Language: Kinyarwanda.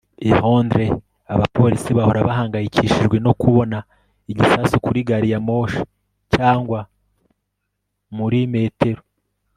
I Londres abapolisi bahora bahangayikishijwe no kubona igisasu kuri gari ya moshi cyangwa muri metero